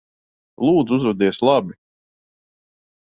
Lūdzu, uzvedies labi.